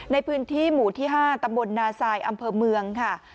ในพื้นที่หมู่ที่๕ตำบลนาซายอำเภอเมืองค่ะ